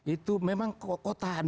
itu memang kota